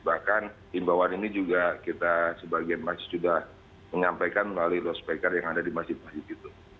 bahkan himbauan ini juga kita sebagian masih sudah mengampaikan melalui lawan spek yang ada di masjid masjid itu